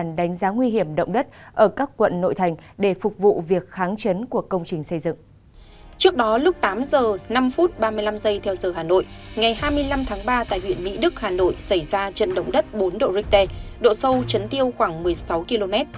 tám h năm ba mươi năm h theo giờ hà nội ngày hai mươi năm tháng ba tại huyện mỹ đức hà nội xảy ra trận động đất bốn độ richter độ sâu chấn tiêu khoảng một mươi sáu km